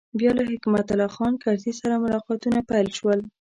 بیا له حکمت الله خان کرزي سره ملاقاتونه پیل شول.